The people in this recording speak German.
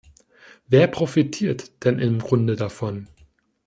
Wer profitiert denn im Grunde davon?